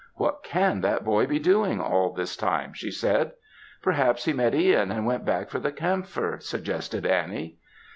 "What can that boy be doing, all this time?" she said. "Perhaps he met Ihan, and went back for the camphor," suggested Annie.